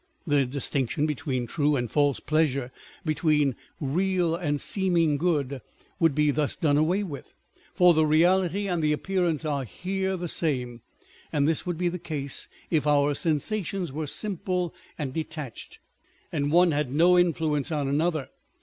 The distinction between true and false pleasure, between real and seeming good, would be thus done away with ; for the reality and the appearance are here the same. And this would be the case if our sensations were simple and detached, and one had no influence on another.